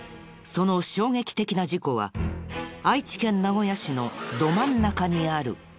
その衝撃的な事故は愛知県名古屋市のど真ん中にある。